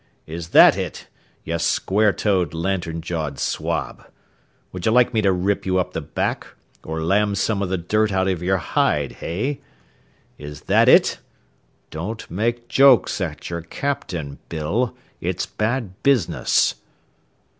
Is that it, you square toed, lantern jawed swab? Would you like me to rip you up the back, or lam some of the dirt out of your hide, hey? Is that it? Don't make jokes at your captain, Bill. It's bad business."